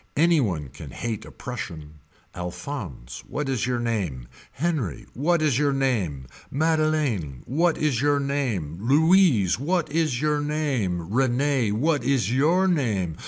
Any one can hate a Prussian. Alphonse what is your name. Henri what is your name. Madeleine what is your name. Louise what is your name. Rene what is your name.